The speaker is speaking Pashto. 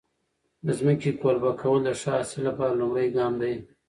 د ځمکې قلبه کول د ښه حاصل لپاره لومړی ګام دی.